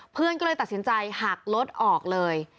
เพื่อนก็เลยตัดสินใจหักรถออกเลย